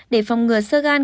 để phòng ngừa sơ gan